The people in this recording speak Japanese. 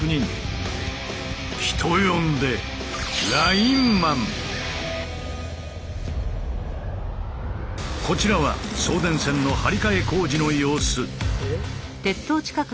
人呼んでこちらは送電線の張り替え工事の様子。